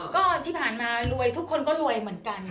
ก็ที่ผ่านมารวยทุกคนก็รวยเหมือนกัน